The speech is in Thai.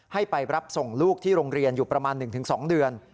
ให้ไปรับส่งลูกที่โรงเรียนอยู่ประมาณ๑๒เดือน